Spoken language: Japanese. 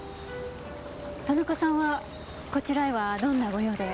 田中さんはこちらへはどんなご用で？